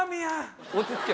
落ち着け